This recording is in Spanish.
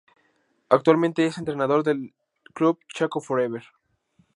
Actualmente es entrenador del club Chaco For Ever.